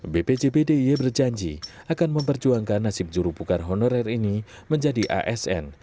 bpjp d i e berjanji akan memperjuangkan nasib juru pugar honorer ini menjadi asn